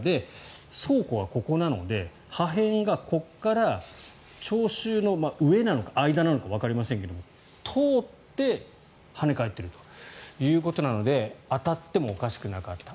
倉庫はここなので破片がここから聴衆の上なのか間なのかわかりませんが通って跳ね返ってるということなので当たってもおかしくなかった。